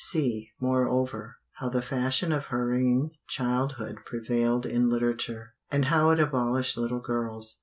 See, moreover, how the fashion of hurrying childhood prevailed in literature, and how it abolished little girls.